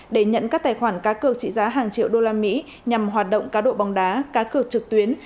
để nhận các tài khoản cá cược trị giá hàng triệu usd nhằm hoạt động cá độ bóng đá cá cược trực tuyến